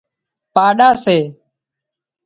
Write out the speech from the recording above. پاڏا سي